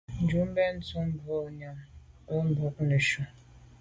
Njon benntùn fa boa nyàm num mbwôg i neshu.